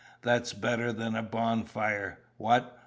"That's better than a bonfire. What!